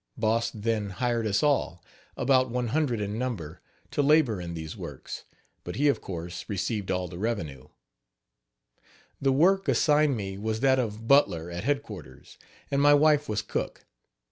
Boss then hired us all, about 100 in number, to labor in these works, but he, of course, received all the revenue. The work assigned me was that of butler at headquarters, and my wife was cook.